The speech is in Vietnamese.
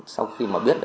sau khi mà biết